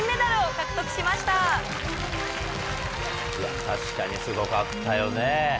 確かにすごかったよね。